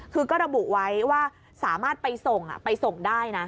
คือก็ระบุไว้ว่าสามารถไปส่งไปส่งได้นะ